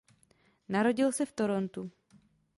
Narodil se v Torontu.